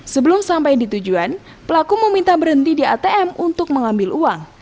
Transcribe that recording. sebelum sampai di tujuan pelaku meminta berhenti di atm untuk mengambil uang